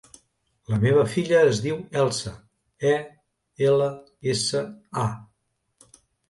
La meva filla es diu Elsa: e, ela, essa, a.